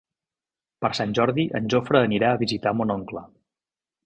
Per Sant Jordi en Jofre anirà a visitar mon oncle.